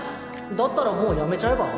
だったらもうやめちゃえば？